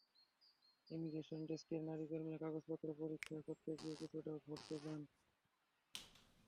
Immigration ডেস্কের নারী কর্মীরা কাগজপত্র পরীক্ষা করতে গিয়ে কিছুটা ভড়কে যান।